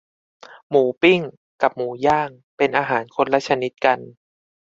หมูปิ้ง กับหมูย่าง เป็นอาหารคนละชนิดกัน